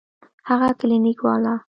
هغه کلينيک والا.